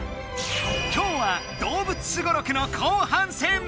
今日は動物スゴロクの後半戦！